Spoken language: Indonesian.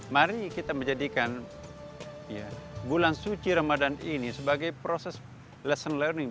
mari kita menjadikan bulan suci ramadan ini sebagai proses lesson learning